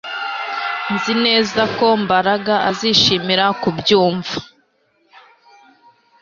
Nzi neza ko Mbaraga azishimira kubyumva